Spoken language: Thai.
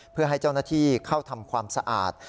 เพื่อให้เจ้าหน้าที่เข้าทำความสะอาด